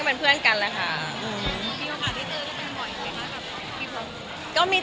ก็เลยเอาข้าวเหนียวมะม่วงมาปากเทียน